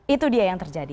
itu dia yang terjadi